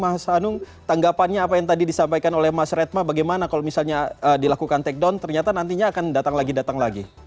mas anung tanggapannya apa yang tadi disampaikan oleh mas retma bagaimana kalau misalnya dilakukan take down ternyata nantinya akan datang lagi datang lagi